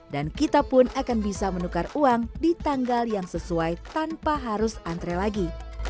dan kita pun akan bisa menukar uang di tanggal yang sesuai tanpa harus antre lagi